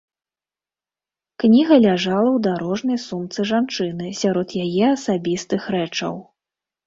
Кніга ляжала ў дарожнай сумцы жанчыны сярод яе асабістых рэчаў.